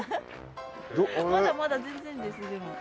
まだまだ全然ですでも。